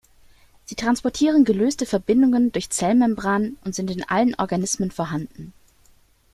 Sie transportieren gelöste Verbindungen durch Zellmembranen und sind in allen Organismen vorhanden.